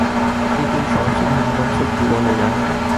পৃথিবীর সমস্ত ধর্মগ্রন্থ কী বলে, জানেন?